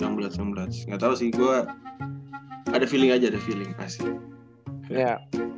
yang blot sejenis yang blot blot enggak tahu sih gua ada feeling aja the feeling kasih ya